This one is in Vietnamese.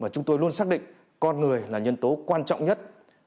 chúng tôi luôn xác định con người là nhân tố quan trọng nhất